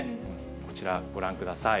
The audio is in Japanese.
こちら、ご覧ください。